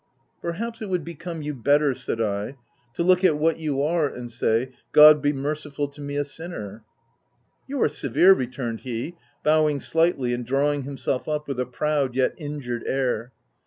§t Perhaps it would become you better," said I, " to look at what you are, and say, c God be merciful to me a sinner/ " "You are severe," returned he, bowing slightly and drawing himself up with a proud yet injured air.